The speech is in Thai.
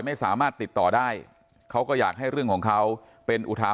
ไม่สามารถติดต่อได้เขาก็อยากให้เรื่องของเขาเป็นอุทาห